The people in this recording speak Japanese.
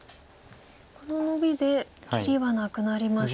このノビで切りはなくなりましたか。